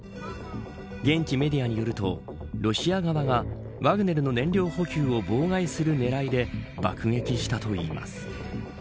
現地メディアによるとロシア側が、ワグネルの燃料補給を妨害する狙いで爆撃したといいます。